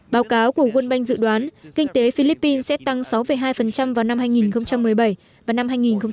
báo cáo của quân banh dự đoán kinh tế philippines sẽ tăng sáu hai vào năm hai nghìn một mươi bảy và năm hai nghìn một mươi tám